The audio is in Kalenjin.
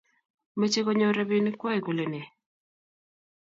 meche konyor robinikwai kolene?